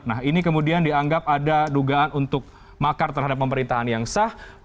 nah ini kemudian dianggap ada dugaan untuk makar terhadap pemerintahan yang sah